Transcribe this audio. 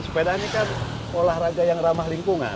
sepedanya kan olahraga yang ramah lingkungan